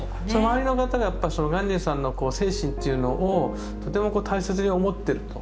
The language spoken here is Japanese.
周りの方がやっぱ鑑真さんの精神というのをとても大切に思ってると。